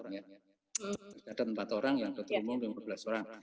ada empat orang yang terumum lima belas orang